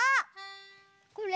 これ？